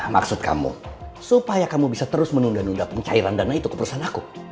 maksud kamu supaya kamu bisa terus menunda nunda pencairan dana itu keputusan aku